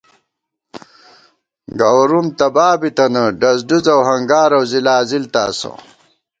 گوَرُوم تبا بِتَنہ، ڈزڈُز اؤ ہنگار اؤ ځلاځِل تاسہ